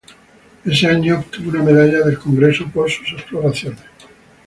Ese año obtuvo una medalla del Congreso por sus exploraciones.